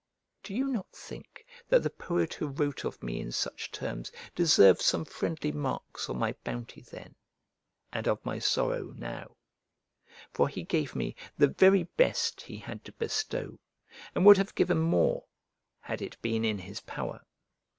" Do you not think that the poet who wrote of me in such terms deserved some friendly marks of my bounty then, and of my sorrow now? For he gave me the very best he had to bestow, and would have given more had it been in his power.